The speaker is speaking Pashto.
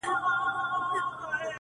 لکه ښاخ د زاړه توت غټ مړوندونه.!